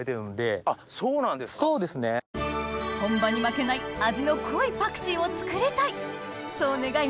本場に負けない味の濃いパクチーを作りたいそう願い